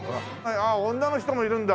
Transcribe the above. あっ女の人もいるんだ。